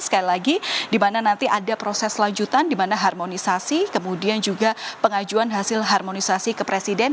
sekali lagi di mana nanti ada proses lanjutan di mana harmonisasi kemudian juga pengajuan hasil harmonisasi ke presiden